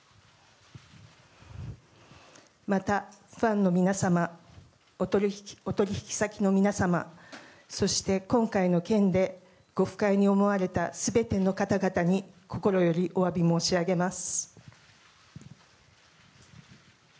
また、ファンの皆様お取引先の皆様そして今回の件でご不快に思われた全ての方々に心よりお詫び申し上げます。